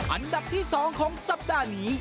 อันดับที่๒ของสัปดาห์นี้